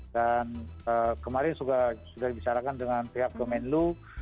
dan kemarin sudah dibicarakan dengan pihak kemenlu